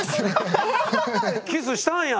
「キスしたんや。